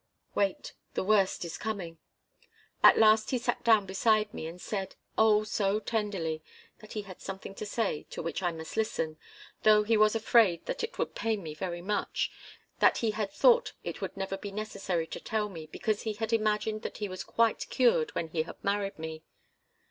"Wait the worst is coming. At last he sat down beside me, and said oh, so tenderly that he had something to say to which I must listen, though he was afraid that it would pain me very much that he had thought it would never be necessary to tell me, because he had imagined that he was quite cured when he had married me.